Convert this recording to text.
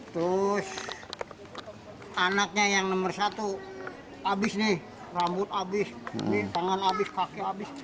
terus anaknya yang nomor satu habis nih rambut habis ini tangan habis kaki habis